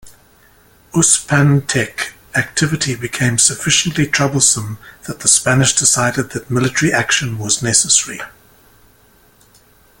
Uspantek activity became sufficiently troublesome that the Spanish decided that military action was necessary.